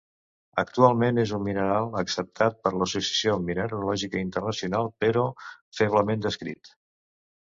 Actualment és un mineral acceptat per l'Associació Mineralògica Internacional però feblement descrit.